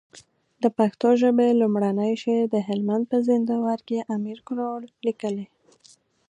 د پښتو ژبي لومړنی شعر د هلمند په زينداور کي امير کروړ ليکلی